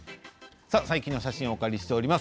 最近の写真をお借りしております。